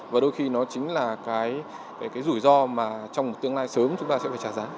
và đôi khi nó chính là cái rủi ro mà trong một tương lai sớm chúng ta sẽ phải trả giá